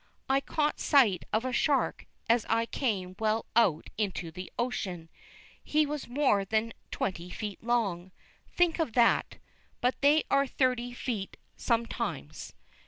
I caught sight of a shark as I came well out into the ocean. He was more than twenty feet long. Think of that! But they are thirty feet sometimes.